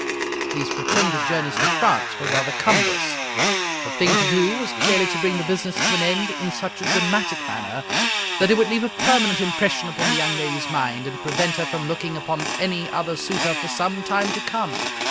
These pre tended journeys to France were rather cumbrous. The thing to do was clearly to bring the business to an end in such a dramatic manner that it would leave a permanent impression upon the young lady's mind, and prevent her from looking upon any other suitor for some time to come.